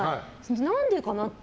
何でかなって。